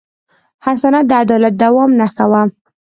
هر سند د عدالت د دوام نښه وه.